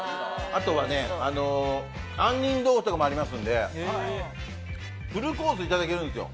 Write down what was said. あとは杏仁豆腐とかもありますのでフルコースいただけるんですよ。